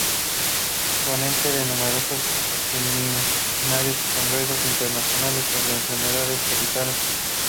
Ponente de numerosos seminarios y congresos internacionales sobre enfermedades tropicales.